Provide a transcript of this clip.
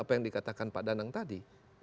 apa yang dikatakan pak danang tadi